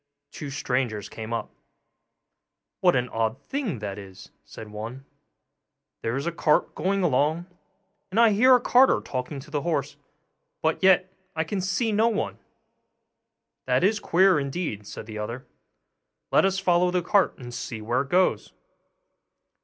two strangers came up. 'What an odd thing that is!' said one: 'there is a cart going along, and I hear a carter talking to the horse, but yet I can see no one.' 'That is queer, indeed,' said the other; 'let us follow the cart, and see where it goes.